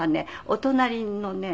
お隣のね